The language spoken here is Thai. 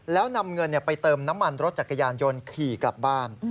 แล้วนำเงินไปเติมน้ำมันรถจักรยานยนต์ขี่กลับบ้าน